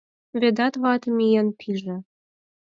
Ведат вате миен пиже.